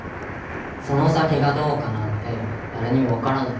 その先がどうかなんて誰にも分からない